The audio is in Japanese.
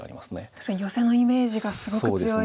確かにヨセのイメージがすごく強いですね。